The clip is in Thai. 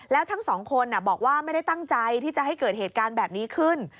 แล้วทั้งสองคนบอกว่าไม่ได้ตั้งใจที่จะให้เกิดเหตุการณ์แบบนี้ขึ้น